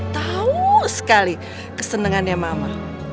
tau sekali kesenengannya mama